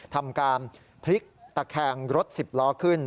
ทำการพลิกตะแคงรถ๑๐ล้อขึ้น